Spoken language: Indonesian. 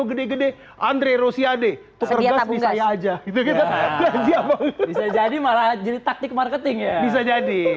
gede gede andre rosiade sedia tabung gas aja gitu bisa jadi malah jadi taktik marketing ya bisa jadi